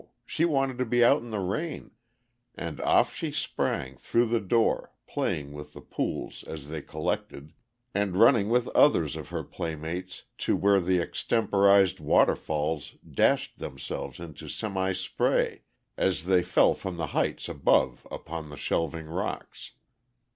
She wanted to be out in the rain, and off she sprang through the door, playing with the pools as they collected, and running with others of her playmates to where the extemporized waterfalls dashed themselves into semi spray as they fell from the heights above upon the shelving rocks.